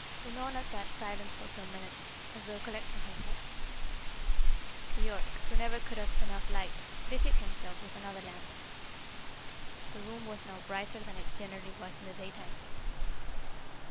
Unorna sat silent for some minutes, as though collecting her thoughts. Keyork, who never could have enough light, busied himself with another lamp. The room was now brighter than it generally was in the daytime.